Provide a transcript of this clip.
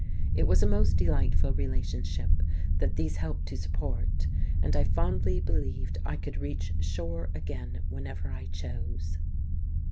It was a most delightful relationship that these helped to support, and I fondly believed I could reach shore again whenever I chose.